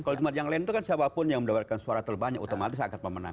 kalau di tempat yang lain itu kan siapapun yang mendapatkan suara terbanyak otomatis akan pemenang